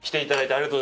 ありがとう。